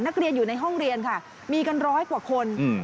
นักเรียนอยู่ในห้องเรียนค่ะมีกันร้อยกว่าคน